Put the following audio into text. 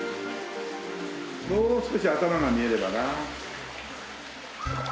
もう少し頭が見えればな。